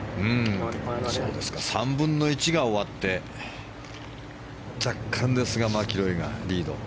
３分の１が終わって若干ですがマキロイがリード。